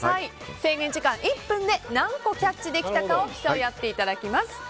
制限時間１分で何個キャッチできたか競い合っていただきます。